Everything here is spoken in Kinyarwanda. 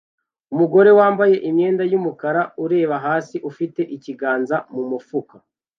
umugore wambaye imyenda yumukara ureba hasi afite ikiganza mumufuka